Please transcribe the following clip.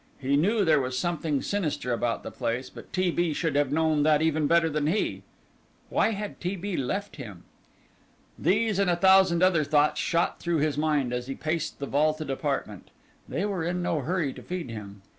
He knew there was something sinister about the place, but T. B. should have known that even better than he. Why had T. B. left him? These and a thousand other thoughts shot through his mind as he paced the vaulted apartment. They were in no hurry to feed him.